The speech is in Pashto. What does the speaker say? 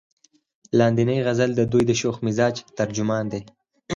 لاندينے غزل د دوي د شوخ مزاج ترجمان دے ۔